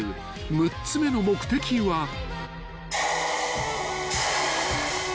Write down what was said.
［６つ目の目的は］体が。